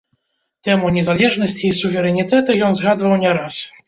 Тэму незалежнасці і суверэнітэту ён згадваў не раз.